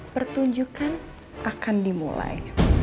pertunjukan akan dimulai